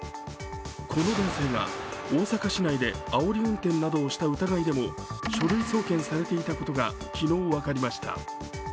この男性が、大阪市内であおり運転などをした疑いでも書類送検されていたことが昨日、分かりました。